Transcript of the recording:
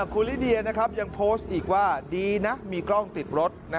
คุณลิเดียยังโพสต์อีกว่าดีนะมีกล้องติดรถ